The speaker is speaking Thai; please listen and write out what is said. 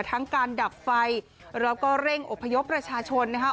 ทั้งการดับไฟแล้วก็เร่งอบพยพประชาชนนะคะ